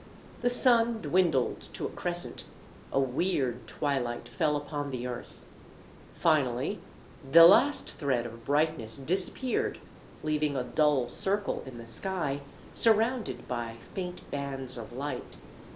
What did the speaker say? The sun dwindled to a crescent; a weird twilight fell upon the earth. Finally, the last thread of brightness disappeared leaving a dull circle in the sky, surrounded by faint bands of light.